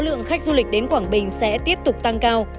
lượng khách du lịch đến quảng bình sẽ tiếp tục tăng cao